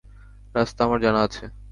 রাস্তা আমার জানা আছে।